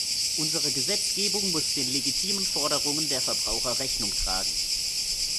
Unsere Gesetzgebung muss den legitimen Forderungen der Verbraucher Rechnung tragen.